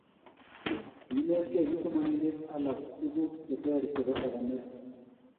kiinetgei kipsomaninik alak tuguk che ter chebo sakanet